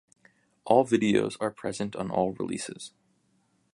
All videos are present on all releases.